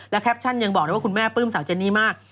แคปชั่นยังบอกเลยว่าคุณแม่ปลื้มสาวเจนนี่มาก